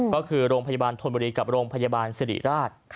ก็คือโรงพยาบาลธนบุรีกับโรงพยาบาลสิริราช